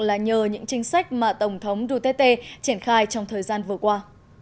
là nhờ những chính sách mà tổng thống duterte triển khai trong thời gian vừa qua